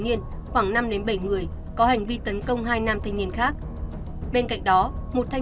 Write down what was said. niên khoảng năm bảy người có hành vi tấn công hai nam thanh niên khác bên cạnh đó một thanh